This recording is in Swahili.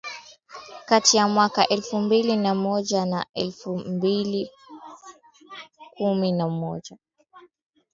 Kati ya mwaka wa elfu mbili na moja na elfu mbili kumi na moja